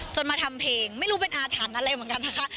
มาทำเพลงไม่รู้เป็นอาถรรพ์อะไรเหมือนกันนะคะ